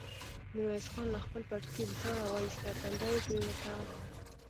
ميرويس خان له خپل پټکي ريتاړه واېسته، تندی يې پرې وتاړه.